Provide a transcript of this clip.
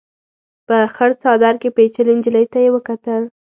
په خړ څادر کې پيچلې نجلۍ ته يې وکتل.